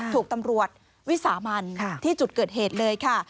ถูกตำรวจวิสามันที่จุดเกิดเหตุเลยค่ะ